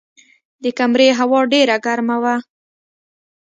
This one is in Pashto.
د کمرې هوا ډېره ګرمه وه.